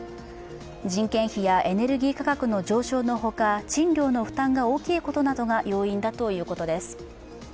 人件費やエネルギー価格の上昇のほか、賃料の負担が大きいことなどが要因だということです。